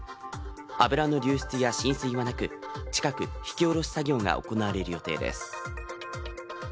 油の流出や浸水はなく、近く引きおろし作業が行われる予定です。